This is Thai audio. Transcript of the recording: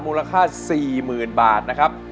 มูลค่า๔๐๐๐บาทนะครับ